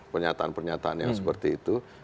pernyataan pernyataan yang seperti itu